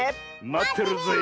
まってるよ！